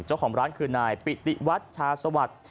เจ้าของร้านคือนายปิติวัชชาสวัสดิ์